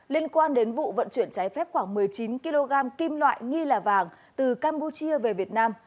liên quan đến vụ vận chuyển trái phép khoảng một mươi chín kg kim loại nghi là vàng từ campuchia về việt nam